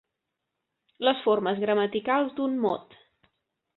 Les formes gramaticals d'un mot.